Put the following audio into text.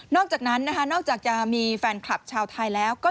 อกจากนั้นนะคะนอกจากจะมีแฟนคลับชาวไทยแล้วก็